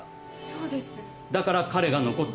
そうです。